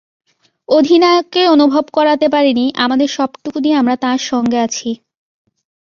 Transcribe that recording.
অধিনায়ককে অনুভব করাতে পারিনি আমাদের সবটুকু দিয়ে আমরা তাঁর সঙ্গে আছি।